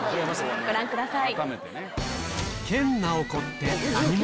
ご覧ください。